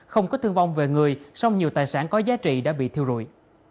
không có thương vong về người song nhiều tài sản có giá trị đã bị thiêu rụi